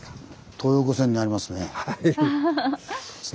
東横線にありますね綱島。